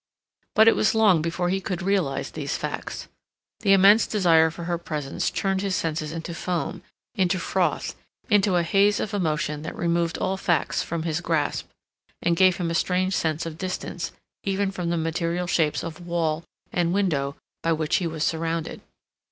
But it was long before he could realize these facts; the immense desire for her presence churned his senses into foam, into froth, into a haze of emotion that removed all facts from his grasp, and gave him a strange sense of distance, even from the material shapes of wall and window by which he was surrounded.